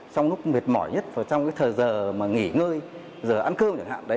trong lúc mệt mỏi nhất trong thời giờ nghỉ ngơi giờ ăn cơm chẳng hạn